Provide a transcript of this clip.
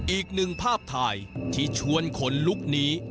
อีกหนึ่งภาพถ่ายที่ชวนขนลุกนี้